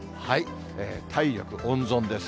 体力温存です。